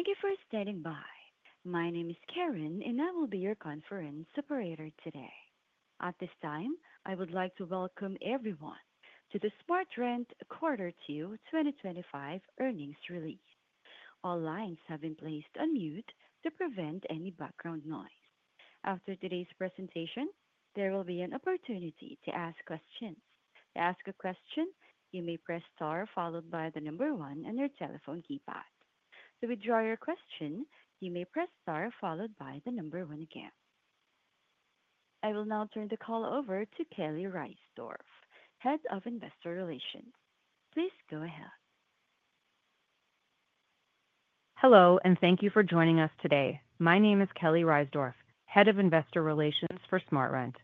Thank you for standing by. My name is Karen, and I will be your conference operator today. At this time, I would like to welcome everyone to the SmartRent Quarter Two 2025 Earnings Release. All lines have been placed on mute to prevent any background noise. After today's presentation, there will be an opportunity to ask questions. To ask a question, you may press star followed by the number one on your telephone keypad. To withdraw your question, you may press star followed by the number one again. I will now turn the call over to Kelly Reisdorf, Head of Investor Relations. Please go ahead. Hello, and thank you for joining us today. My name is Kelly Reisdorf, Head of Investor Relations for SmartRent.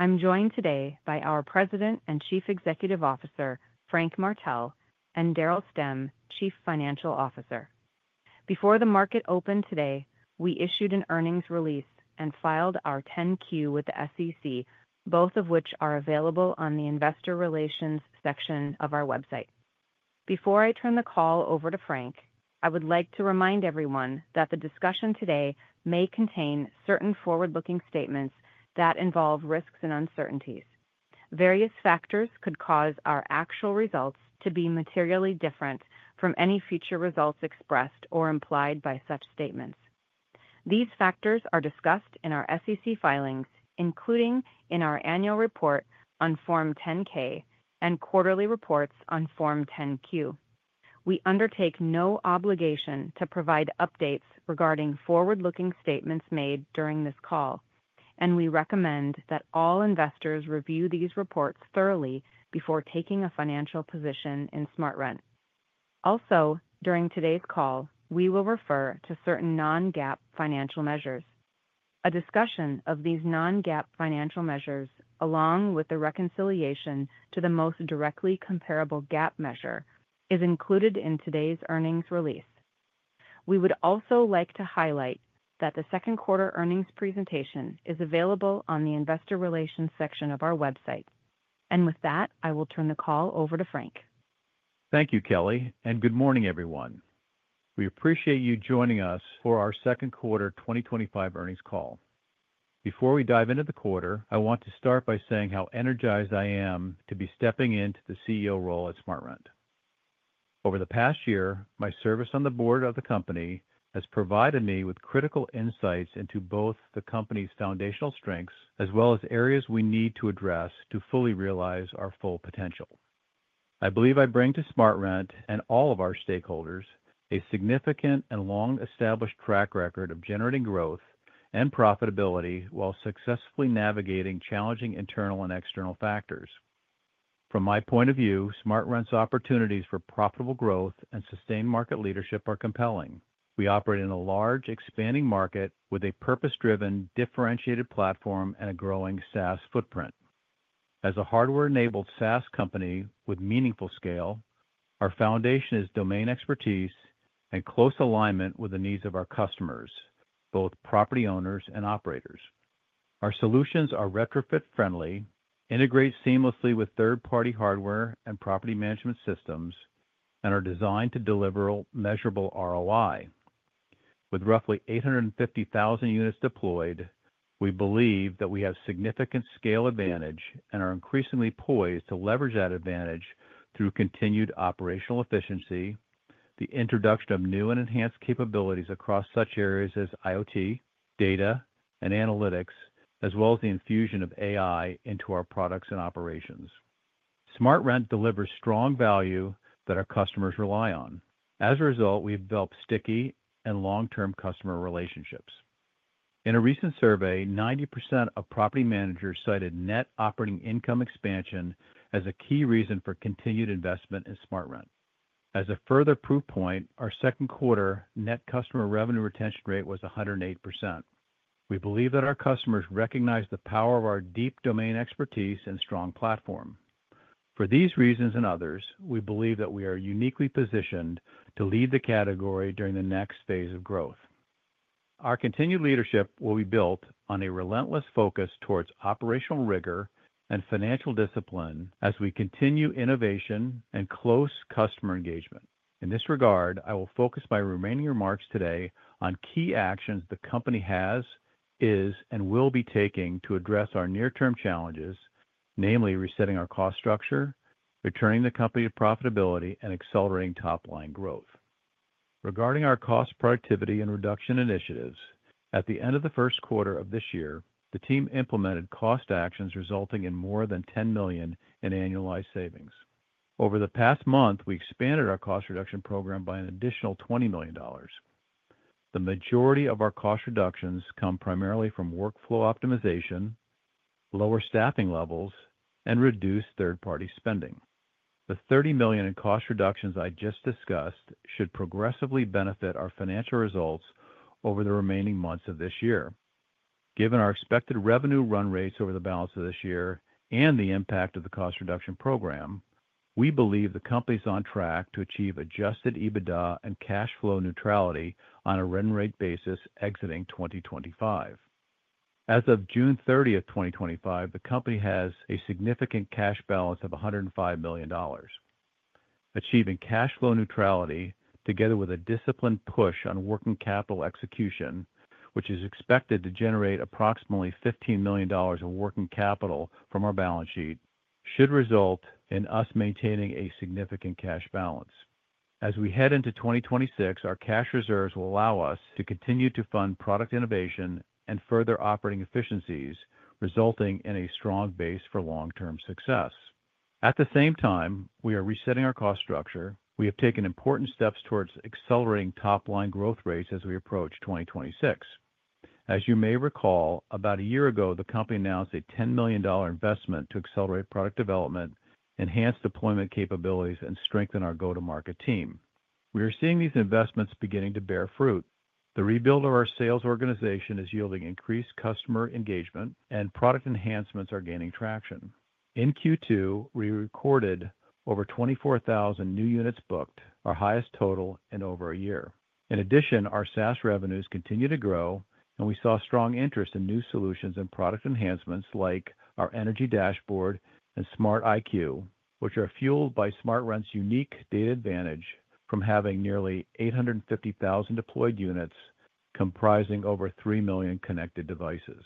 I'm joined today by our President and Chief Executive Officer, Frank Martell, and Daryl Stemm, Chief Financial Officer. Before the market opened today, we issued an earnings release and filed our 10-Q with the SEC, both of which are available on the Investor Relations section of our website. Before I turn the call over to Frank, I would like to remind everyone that the discussion today may contain certain forward-looking statements that involve risks and uncertainties. Various factors could cause our actual results to be materially different from any future results expressed or implied by such statements. These factors are discussed in our SEC filings, including in our annual report on Form 10-K and quarterly reports on Form 10-Q. We undertake no obligation to provide updates regarding forward-looking statements made during this call, and we recommend that all investors review these reports thoroughly before taking a financial position in SmartRent. Also, during today's call, we will refer to certain non-GAAP financial measures. A discussion of these non-GAAP financial measures, along with the reconciliation to the most directly comparable GAAP measure, is included in today's earnings release. We would also like to highlight that the second quarter earnings presentation is available on the Investor Relations section of our website. I will turn the call over to Frank. Thank you, Kelly, and good morning, everyone. We appreciate you joining us for our Second Quarter 2025 Earnings Call. Before we dive into the quarter, I want to start by saying how energized I am to be stepping into the CEO role at SmartRent. Over the past year, my service on the board of the company has provided me with critical insights into both the company's foundational strengths as well as areas we need to address to fully realize our full potential. I believe I bring to SmartRent and all of our stakeholders a significant and long-established track record of generating growth and profitability while successfully navigating challenging internal and external factors. From my point of view, SmartRent's opportunities for profitable growth and sustained market leadership are compelling. We operate in a large, expanding market with a purpose-driven, differentiated platform and a growing SaaS footprint. As a hardware-enabled SaaS company with meaningful scale, our foundation is domain expertise and close alignment with the needs of our customers, both property owners and operators. Our solutions are retrofit-friendly, integrate seamlessly with third-party hardware and property management systems, and are designed to deliver measurable ROI. With roughly 850,000 units deployed, we believe that we have significant scale advantage and are increasingly poised to leverage that advantage through continued operational efficiency, the introduction of new and enhanced capabilities across such areas as IoT, data, and analytics, as well as the infusion of AI into our products and operations. SmartRent delivers strong value that our customers rely on. As a result, we've developed sticky and long-term customer relationships. In a recent survey, 90% of property managers cited net operating income expansion as a key reason for continued investment in SmartRent. As a further proof point, our second quarter net customer revenue retention rate was 108%. We believe that our customers recognize the power of our deep domain expertise and strong platform. For these reasons and others, we believe that we are uniquely positioned to lead the category during the next phase of growth. Our continued leadership will be built on a relentless focus towards operational rigor and financial discipline as we continue innovation and close customer engagement. In this regard, I will focus my remaining remarks today on key actions the company has, is, and will be taking to address our near-term challenges, namely resetting our cost structure, returning the company to profitability, and accelerating top-line growth. Regarding our cost productivity and reduction initiatives, at the end of the first quarter of this year, the team implemented cost actions resulting in more than $10 million in annualized savings. Over the past month, we expanded our cost reduction program by an additional $20 million. The majority of our cost reductions come primarily from workflow optimization, lower staffing levels, and reduced third-party spending. The $30 million in cost reductions I just discussed should progressively benefit our financial results over the remaining months of this year. Given our expected revenue run rates over the balance of this year and the impact of the cost reduction program, we believe the company is on track to achieve adjusted EBITDA and cash flow neutrality on a run rate basis exiting 2025. As of June 30, 2025, the company has a significant cash balance of $105 million. Achieving cash flow neutrality, together with a disciplined push on working capital execution, which is expected to generate approximately $15 million in working capital from our balance sheet, should result in us maintaining a significant cash balance. As we head into 2026, our cash reserves will allow us to continue to fund product innovation and further operating efficiencies, resulting in a strong base for long-term success. At the same time, we are resetting our cost structure. We have taken important steps towards accelerating top-line growth rates as we approach 2026. As you may recall, about a year ago, the company announced a $10 million investment to accelerate product development, enhance deployment capabilities, and strengthen our go-to-market team. We are seeing these investments beginning to bear fruit. The rebuild of our sales organization is yielding increased customer engagement, and product enhancements are gaining traction. In Q2, we recorded over 24,000 new units booked, our highest total in over a year. In addition, our SaaS revenues continue to grow, and we saw strong interest in new solutions and product enhancements like our Energy Dashboard and SmartIQ, which are fueled by SmartRent's unique data advantage from having nearly 850,000 deployed units comprising over 3 million connected devices.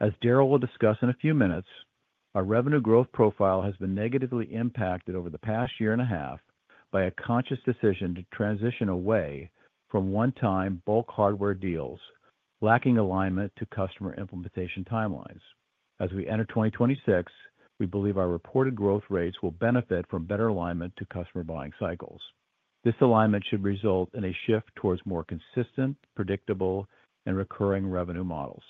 As Daryl will discuss in a few minutes, our revenue growth profile has been negatively impacted over the past year and a half by a conscious decision to transition away from one-time bulk hardware deals, lacking alignment to customer implementation timelines. As we enter 2026, we believe our reported growth rates will benefit from better alignment to customer buying cycles. This alignment should result in a shift towards more consistent, predictable, and recurring revenue models.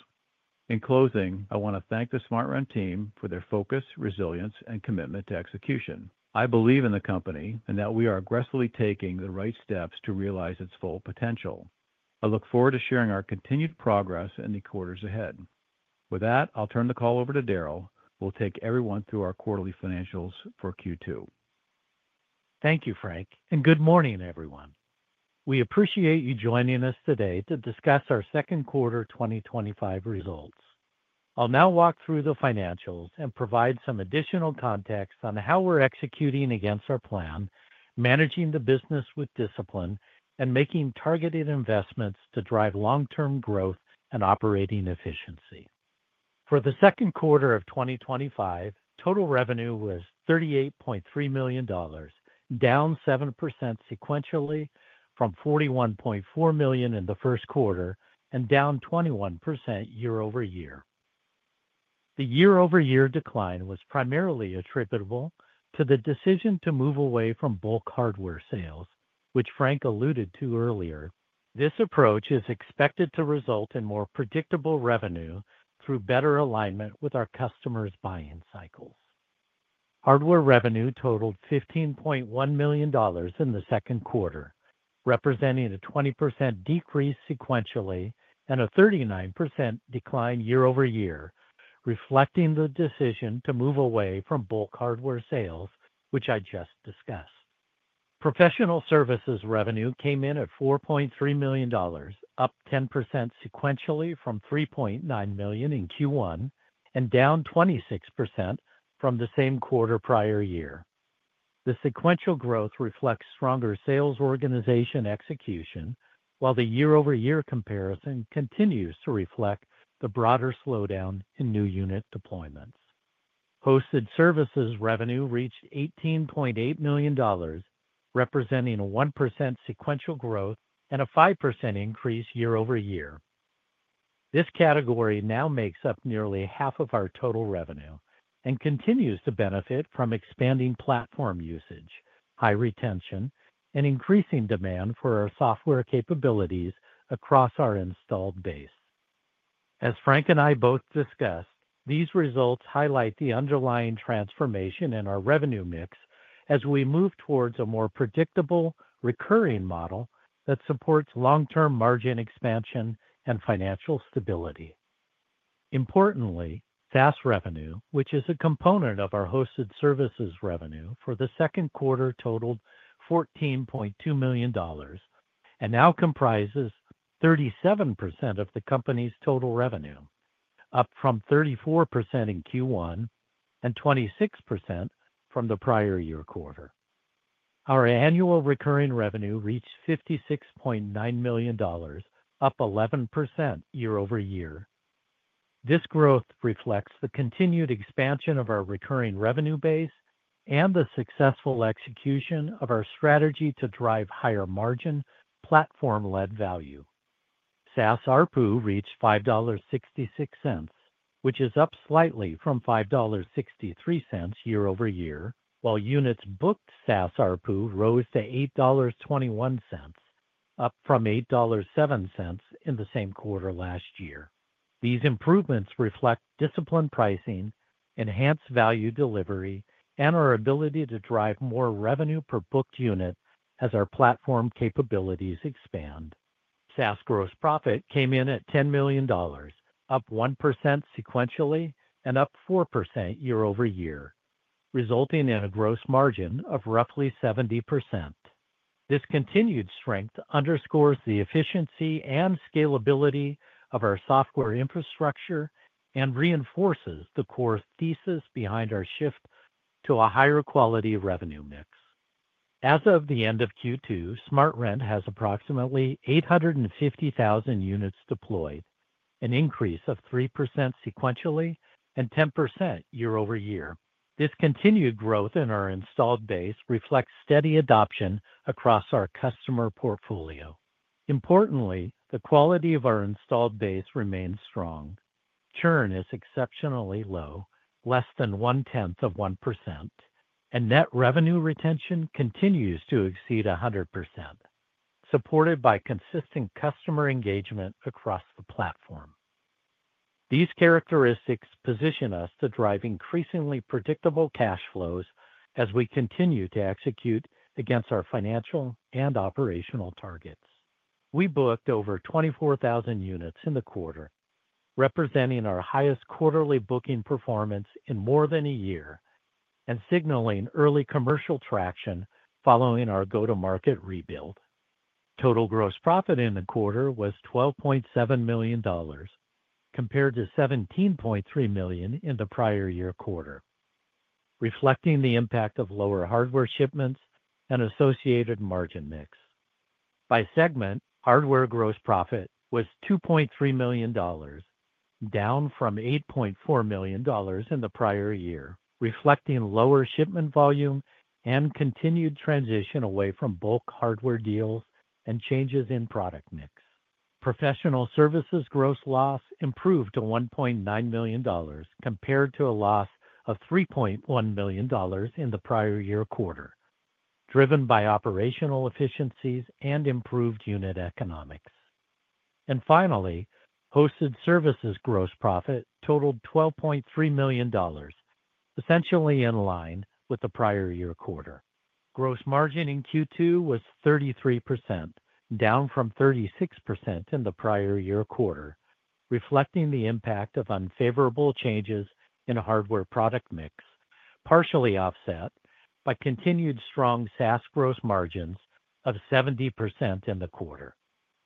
In closing, I want to thank the SmartRent team for their focus, resilience, and commitment to execution. I believe in the company and that we are aggressively taking the right steps to realize its full potential. I look forward to sharing our continued progress in the quarters ahead. With that, I'll turn the call over to Daryl, who will take everyone through our quarterly financials for Q2. Thank you, Frank, and good morning, everyone. We appreciate you joining us today to discuss our second quarter 2025 results. I'll now walk through the financials and provide some additional context on how we're executing against our plan, managing the business with discipline, and making targeted investments to drive long-term growth and operating efficiency. For the second quarter of 2025, total revenue was $38.3 million, down 7% sequentially from $41.4 million in the first quarter and down 21% year-over-year. The year-over-year decline was primarily attributable to the decision to move away from bulk hardware sales, which Frank alluded to earlier. This approach is expected to result in more predictable revenue through better alignment with our customers' buying cycles. Hardware revenue totaled $15.1 million in the second quarter, representing a 20% decrease sequentially and a 39% decline year-over-year, reflecting the decision to move away from bulk hardware sales, which I just discussed. Professional services revenue came in at $4.3 million, up 10% sequentially from $3.9 million in Q1 and down 26% from the same quarter prior year. The sequential growth reflects stronger sales organization execution, while the year-over-year comparison continues to reflect the broader slowdown in new unit deployments. Hosted services revenue reached $18.8 million, representing a 1% sequential growth and a 5% increase year-over-year. This category now makes up nearly half of our total revenue and continues to benefit from expanding platform usage, high retention, and increasing demand for our software capabilities across our installed base. As Frank and I both discussed, these results highlight the underlying transformation in our revenue mix as we move towards a more predictable, recurring model that supports long-term margin expansion and financial stability. Importantly, SaaS revenue, which is a component of our hosted services revenue for the second quarter, totaled $14.2 million and now comprises 37% of the company's total revenue, up from 34% in Q1 and 26% from the prior year quarter. Our annual recurring revenue reached $56.9 million, up 11% year-over-year. This growth reflects the continued expansion of our recurring revenue base and the successful execution of our strategy to drive higher margin platform-led value. SaaS ARPU reached $5.66, which is up slightly from $5.63 year-over-year, while units booked SaaS ARPU rose to $8.21, up from $8.07 in the same quarter last year. These improvements reflect disciplined pricing, enhanced value delivery, and our ability to drive more revenue per booked unit as our platform capabilities expand. SaaS gross profit came in at $10 million, up 1% sequentially and up 4% year-over-year, resulting in a gross margin of roughly 70%. This continued strength underscores the efficiency and scalability of our software infrastructure and reinforces the core thesis behind our shift to a higher quality revenue mix. As of the end of Q2, SmartRent has approximately 850,000 units deployed, an increase of 3% sequentially and 10% year-over-year. This continued growth in our installed base reflects steady adoption across our customer portfolio. Importantly, the quality of our installed base remains strong. Churn is exceptionally low, less than 1/10 of 1%, and net revenue retention continues to exceed 100%, supported by consistent customer engagement across the platform. These characteristics position us to drive increasingly predictable cash flows as we continue to execute against our financial and operational targets. We booked over 24,000 units in the quarter, representing our highest quarterly booking performance in more than a year and signaling early commercial traction following our go-to-market rebuild. Total gross profit in the quarter was $12.7 million, compared to $17.3 million in the prior year quarter, reflecting the impact of lower hardware shipments and associated margin mix. By segment, hardware gross profit was $2.3 million, down from $8.4 million in the prior year, reflecting lower shipment volume and continued transition away from bulk hardware deals and changes in product mix. Professional services gross loss improved to $1.9 million, compared to a loss of $3.1 million in the prior year quarter, driven by operational efficiencies and improved unit economics. Finally, hosted services gross profit totaled $12.3 million, essentially in line with the prior year quarter. Gross margin in Q2 was 33%, down from 36% in the prior year quarter, reflecting the impact of unfavorable changes in a hardware product mix, partially offset by continued strong SaaS gross margins of 70% in the quarter.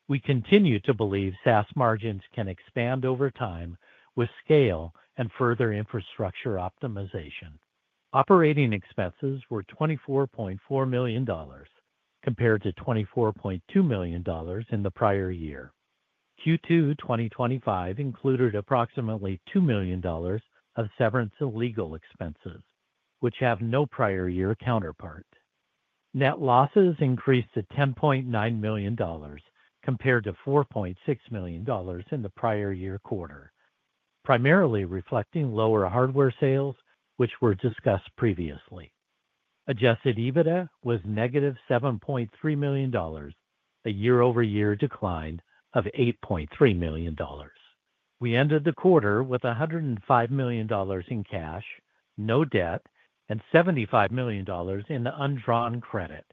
We continue to believe SaaS margins can expand over time with scale and further infrastructure optimization. Operating expenses were $24.4 million, compared to $24.2 million in the prior year. Q2 2025 included approximately $2 million of severance and legal expenses, which have no prior year counterpart. Net losses increased to $10.9 million, compared to $4.6 million in the prior year quarter, primarily reflecting lower hardware sales, which were discussed previously. Adjusted EBITDA was -$7.3 million, a year-over-year decline of $8.3 million. We ended the quarter with $105 million in cash, no debt, and $75 million in undrawn credit,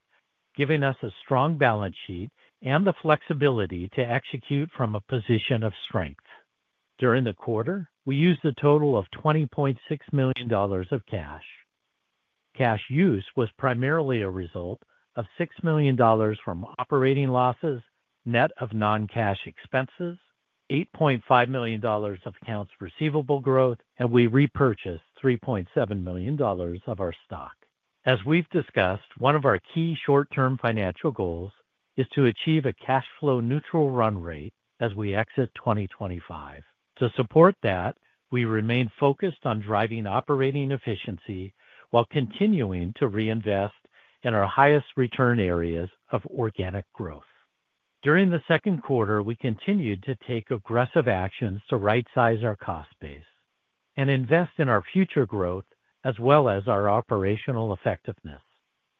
giving us a strong balance sheet and the flexibility to execute from a position of strength. During the quarter, we used a total of $20.6 million of cash. Cash use was primarily a result of $6 million from operating losses, net of non-cash expenses, $8.5 million of accounts receivable growth, and we repurchased $3.7 million of our stock. As we've discussed, one of our key short-term financial goals is to achieve a cash flow neutral run rate as we exit 2025. To support that, we remain focused on driving operating efficiency while continuing to reinvest in our highest return areas of organic growth. During the second quarter, we continued to take aggressive actions to right-size our cost base and invest in our future growth as well as our operational effectiveness.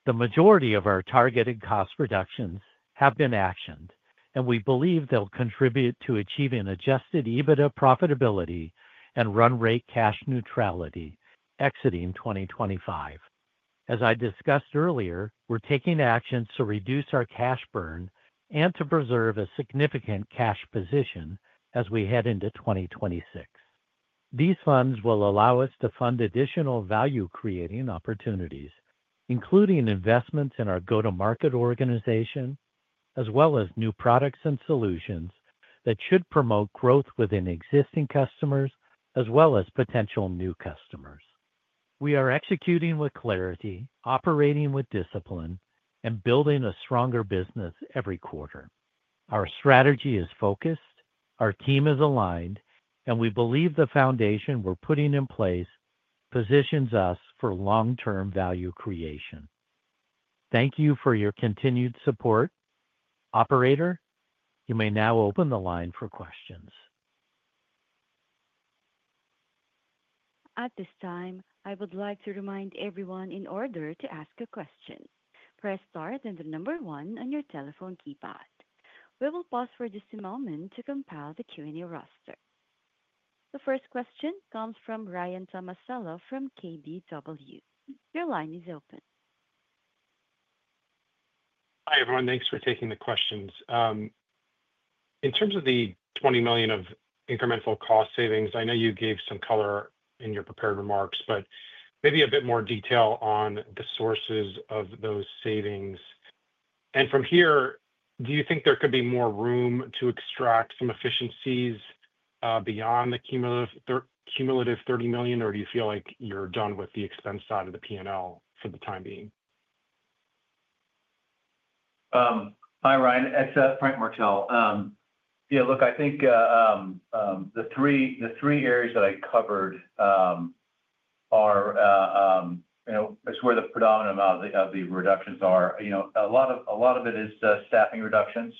The majority of our targeted cost reductions have been actioned, and we believe they'll contribute to achieving adjusted EBITDA profitability and run rate cash neutrality exiting 2025. As I discussed earlier, we're taking actions to reduce our cash burn and to preserve a significant cash position as we head into 2026. These funds will allow us to fund additional value-creating opportunities, including investments in our go-to-market organization, as well as new products and solutions that should promote growth within existing customers as well as potential new customers. We are executing with clarity, operating with discipline, and building a stronger business every quarter. Our strategy is focused, our team is aligned, and we believe the foundation we're putting in place positions us for long-term value creation. Thank you for your continued support. Operator, you may now open the line for questions. At this time, I would like to remind everyone, in order to ask a question, press star then the number one on your telephone keypad. We will pause for just a moment to compile the Q&A roster. The first question comes from Ryan Tomasello from KBW. Your line is open. Hi, everyone. Thanks for taking the questions. In terms of the $20 million of incremental cost savings, I know you gave some color in your prepared remarks, but maybe a bit more detail on the sources of those savings. From here, do you think there could be more room to extract some efficiencies beyond the cumulative $30 million, or do you feel like you're done with the expense side of the P&L for the time being? Hi, Ryan. It's Frank Martell. I think the three areas that I covered are where the predominant amount of the reductions are. A lot of it is staffing reductions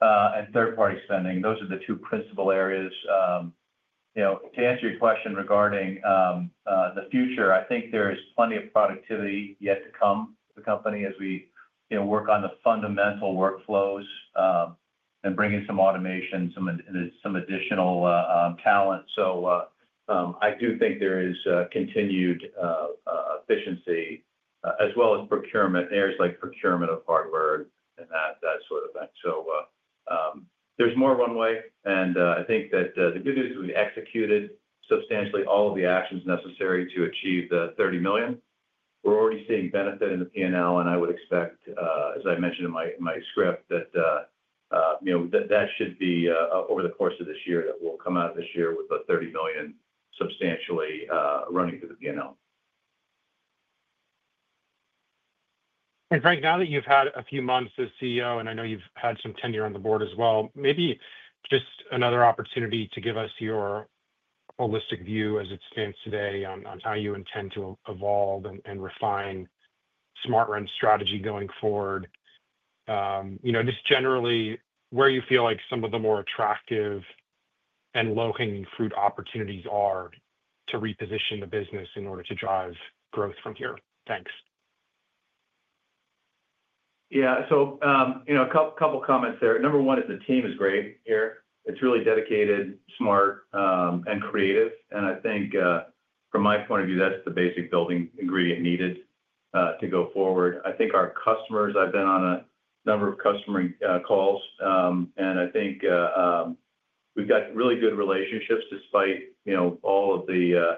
and third-party spending. Those are the two principal areas. To answer your question regarding the future, I think there is plenty of productivity yet to come to the company as we work on the fundamental workflows and bring in some automation, some additional talent. I do think there is continued efficiency, as well as procurement in areas like procurement of hardware and that sort of thing. There's more runway, and I think that the good news is we executed substantially all of the actions necessary to achieve the $30 million. We're already seeing benefit in the P&L, and I would expect, as I mentioned in my script, that should be over the course of this year that we'll come out this year with the $30 million substantially running through the P&L. Frank, now that you've had a few months as CEO, and I know you've had some tenure on the board as well, maybe just another opportunity to give us your holistic view as it stands today on how you intend to evolve and refine SmartRent's strategy going forward. You know, just generally where you feel like some of the more attractive and low-hanging fruit opportunities are to reposition the business in order to drive growth from here. Thanks. Yeah, a couple of comments there. Number one is the team is great here. It's really dedicated, smart, and creative. I think, from my point of view, that's the basic building ingredient needed to go forward. I think our customers, I've been on a number of customer calls, and I think we've got really good relationships despite all of the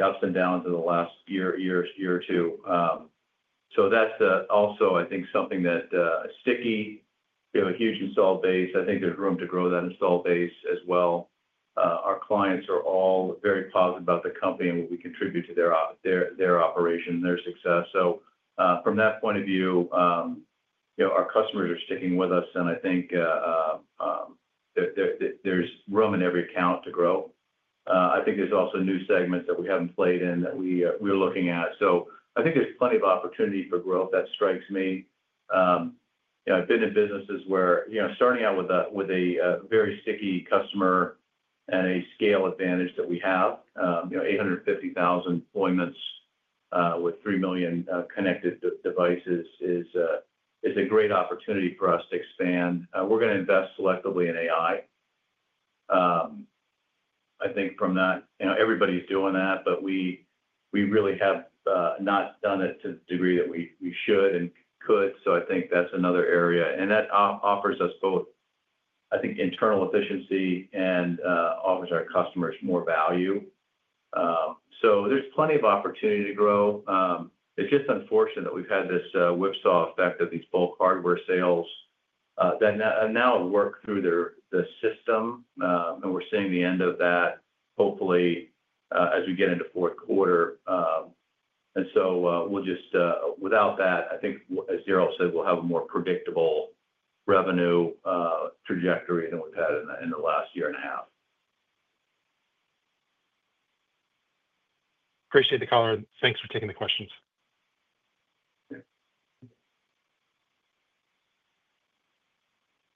ups and downs in the last year or two. That's also something that a sticky, huge install base. I think there's room to grow that install base as well. Our clients are all very positive about the company and what we contribute to their operation, their success. From that point of view, our customers are sticking with us, and I think there's room in every account to grow. I think there's also new segments that we haven't played in that we're looking at. I think there's plenty of opportunity for growth. That strikes me. I've been in businesses where, starting out with a very sticky customer and a scale advantage that we have, 850,000 deployments with 3 million connected devices is a great opportunity for us to expand. We're going to invest selectively in AI. I think everybody's doing that, but we really have not done it to the degree that we should and could. I think that's another area. That offers us both internal efficiency and offers our customers more value. There's plenty of opportunity to grow. It's just unfortunate that we've had this whipsaw effect that these bulk hardware sales that now work through the system, and we're seeing the end of that, hopefully, as we get into fourth quarter. Without that, I think, as Daryl said, we'll have a more predictable revenue trajectory than we've had in the last year and a half. Appreciate the call, and thanks for taking the questions.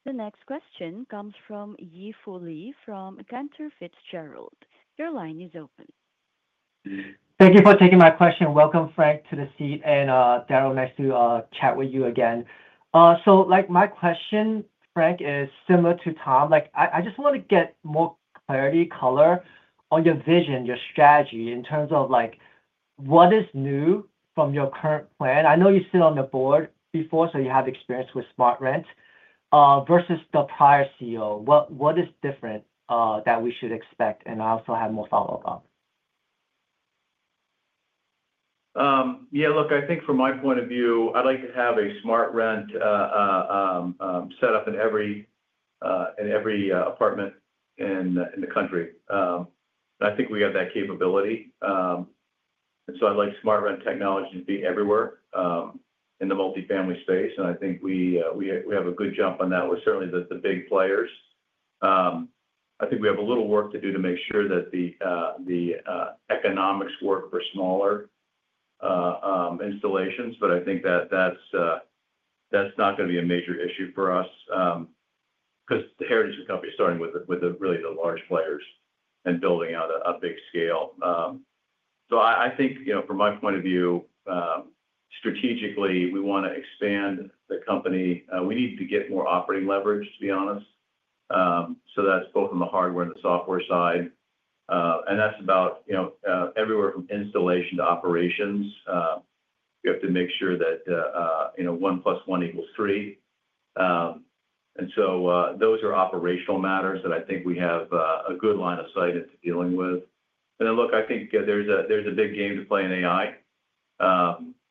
The next question comes from Yi Fu Lee from Cantor Fitzgerald. Your line is open. Thank you for taking my question. Welcome, Frank, to the seat, and Daryl, nice to chat with you again. My question, Frank, is similar to Tom. I just want to get more clarity, color, on your vision, your strategy in terms of what is new from your current plan. I know you've stood on the board before, so you have experience with SmartRent versus the prior CEO. What is different that we should expect? I also have more follow-up on. Yeah, look, I think from my point of view, I'd like to have a SmartRent set up in every apartment in the country. I think we have that capability. I'd like SmartRent technology to be everywhere in the multifamily space. I think we have a good jump on that. We're certainly the big players. I think we have a little work to do to make sure that the economics work for smaller installations, but I think that's not going to be a major issue for us because the heritage of the company is starting with really the large players and building out a big scale. I think, you know, from my point of view, strategically, we want to expand the company. We need to get more operating leverage, to be honest. That's both on the hardware and the software side. That's about, you know, everywhere from installation to operations. We have to make sure that, you know, one plus one equals three. Those are operational matters that I think we have a good line of sight into dealing with. I think there's a big game to play in AI.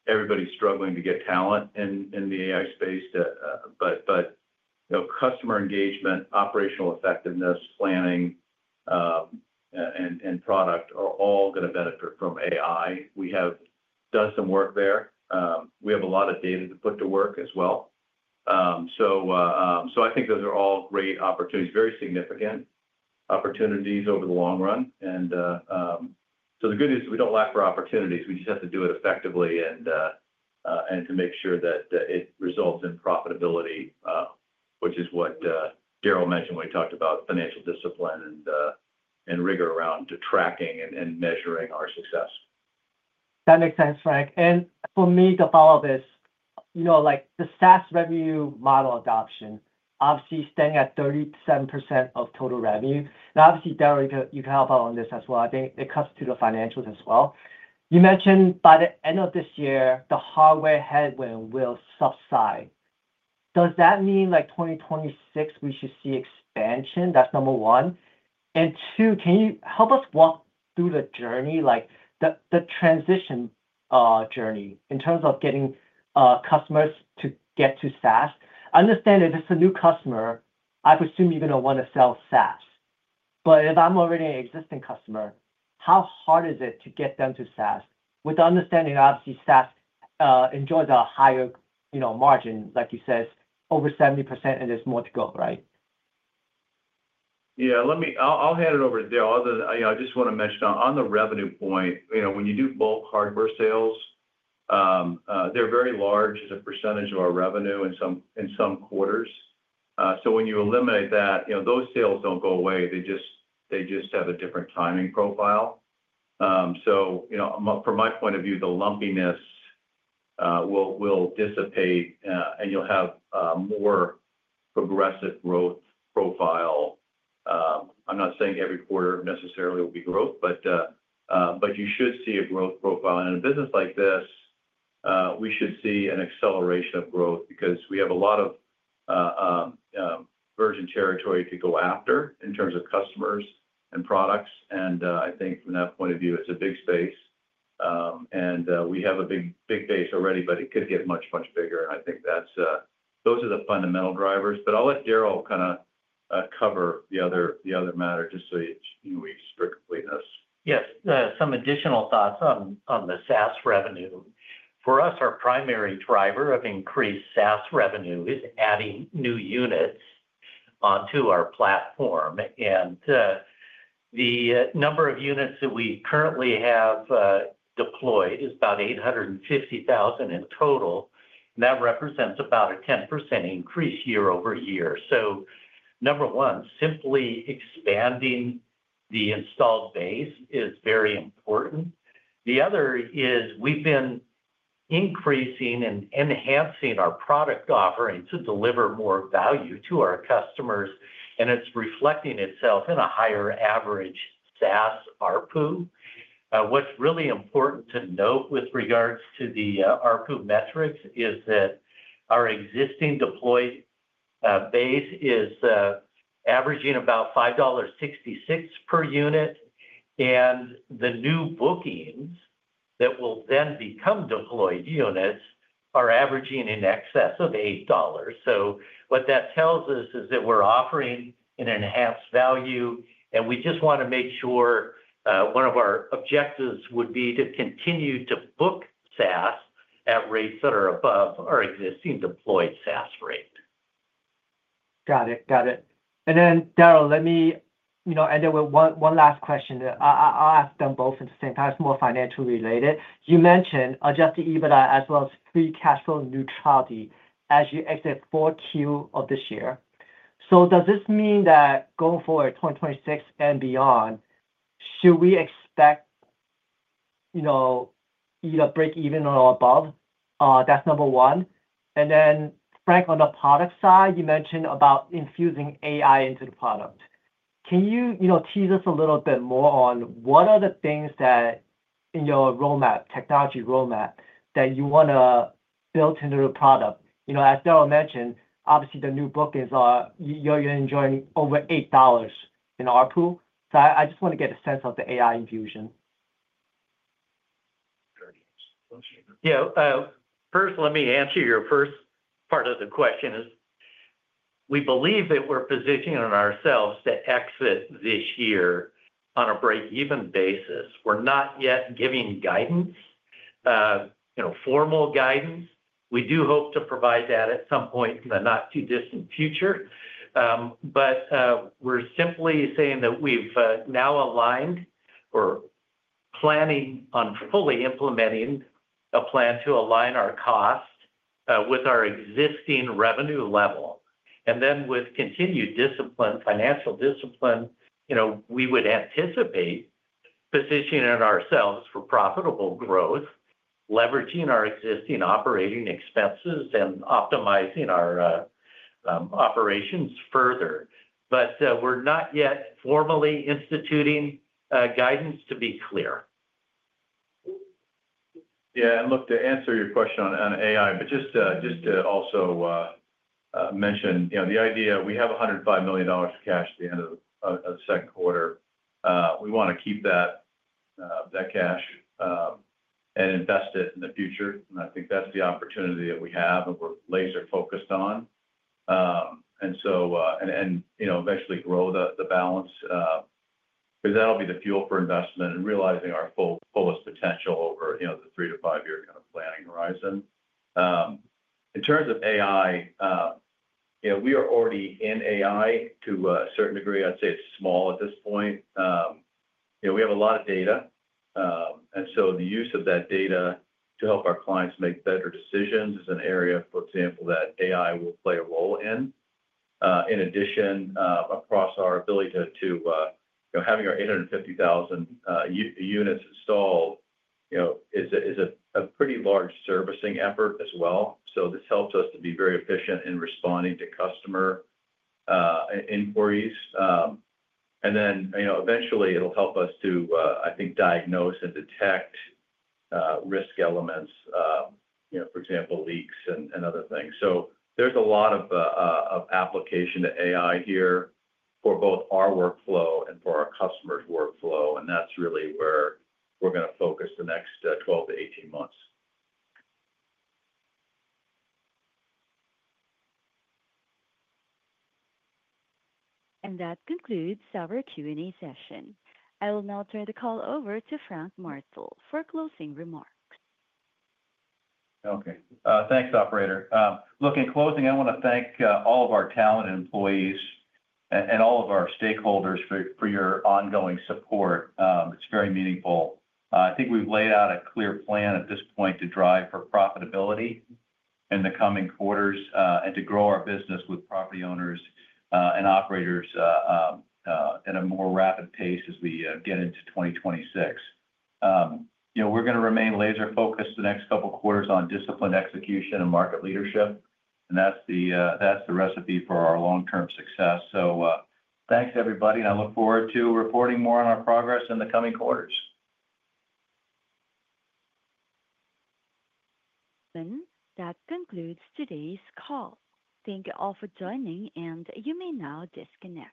Everybody's struggling to get talent in the AI space. You know, customer engagement, operational effectiveness, planning, and product are all going to benefit from AI. We have done some work there. We have a lot of data to put to work as well. I think those are all great opportunities, very significant opportunities over the long run. The good news is we don't lack for opportunities. We just have to do it effectively and to make sure that it results in profitability, which is what Daryl mentioned when he talked about financial discipline and rigor around tracking and measuring our success. That makes sense, Frank. For me to follow this, you know, like the SaaS revenue model adoption, obviously staying at 37% of total revenue. Now, obviously, Daryl, you can help out on this as well. I think it cuts to the financials as well. You mentioned by the end of this year, the hardware headwind will subside. Does that mean like 2026, we should see expansion? That's number one. Two, can you help us walk through the journey, like the transition journey in terms of getting customers to get to SaaS? I understand if it's a new customer, I presume you're going to want to sell SaaS. If I'm already an existing customer, how hard is it to get them to SaaS with the understanding that obviously SaaS enjoys a higher, you know, margin, like you said, over 70% and there's more to go, right? Yeah, let me, I'll hand it over to Daryl. I just want to mention on the revenue point, you know, when you do bulk hardware sales, they're very large as a percentage of our revenue in some quarters. When you eliminate that, those sales don't go away. They just have a different timing profile. From my point of view, the lumpiness will dissipate and you'll have a more aggressive growth profile. I'm not saying every quarter necessarily will be growth, but you should see a growth profile. In a business like this, we should see an acceleration of growth because we have a lot of urgent territory to go after in terms of customers and products. I think from that point of view, it's a big space. We have a big base already, but it could get much, much bigger. I think those are the fundamental drivers. I'll let Daryl kind of cover the other matter just so we strip completeness. Yes, some additional thoughts on the SaaS revenue. For us, our primary driver of increased SaaS revenue is adding new units onto our platform. The number of units that we currently have deployed is about 850,000 in total. That represents about a 10% increase year-over-year. Number one, simply expanding the installed base is very important. The other is we've been increasing and enhancing our product offering to deliver more value to our customers, and it's reflecting itself in a higher average SaaS ARPU. What's really important to note with regards to the ARPU metrics is that our existing deployed base is averaging about $5.66 per unit, and the new bookings that will then become deployed units are averaging in excess of $8. What that tells us is that we're offering an enhanced value. We just want to make sure one of our objectives would be to continue to book SaaS at rates that are above our existing deployed SaaS rate. Got it. Got it. Daryl, let me end it with one last question. I'll ask them both at the same time. It's more financially related. You mentioned adjusting EBITDA as well as free cash flow neutrality as you exit 4Q of this year. Does this mean that going forward, 2026 and beyond, should we expect either break even or above? That's number one. Frank, on the product side, you mentioned about infusing AI into the product. Can you tease us a little bit more on what are the things that in your technology roadmap that you want to build into the product? As Daryl mentioned, obviously the new bookings are you're enjoying over $8 in ARPU. I just want to get a sense of the AI infusion. Yeah, first, let me answer your first part of the question. We believe that we're positioning ourselves to exit this year on a break-even basis. We're not yet giving guidance, you know, formal guidance. We do hope to provide that at some point in the not-too-distant future. We're simply saying that we've now aligned or are planning on fully implementing a plan to align our costs with our existing revenue level. With continued financial discipline, we would anticipate positioning ourselves for profitable growth, leveraging our existing operating expenses and optimizing our operations further. We're not yet formally instituting guidance, to be clear. Yeah, to answer your question on AI, just to also mention, the idea we have $105 million cash at the end of the second quarter. We want to keep that cash and invest it in the future. I think that's the opportunity that we have and we're laser-focused on. Eventually, grow the balance because that'll be the fuel for investment and realizing our fullest potential over the three to five-year kind of planning horizon. In terms of AI, we are already in AI to a certain degree. I'd say it's small at this point. We have a lot of data. The use of that data to help our clients make better decisions is an area, for example, that AI will play a role in. In addition, across our ability to, having our 850,000 units installed, is a pretty large servicing effort as well. This helps us to be very efficient in responding to customer inquiries. Eventually, it'll help us to, I think, diagnose and detect risk elements, for example, leaks and other things. There's a lot of application to AI here for both our workflow and for our customers' workflow. That's really where we're going to focus the next 12-18 months. That concludes our Q&A session. I will now turn the call over to Frank Martell for closing remarks. Okay. Thanks, operator. In closing, I want to thank all of our talent and employees and all of our stakeholders for your ongoing support. It's very meaningful. I think we've laid out a clear plan at this point to drive for profitability in the coming quarters and to grow our business with property owners and operators at a more rapid pace as we get into 2026. You know, we're going to remain laser-focused the next couple of quarters on discipline, execution, and market leadership. That's the recipe for our long-term success. Thanks, everybody, and I look forward to reporting more on our progress in the coming quarters. That concludes today's call. Thank you all for joining, and you may now disconnect.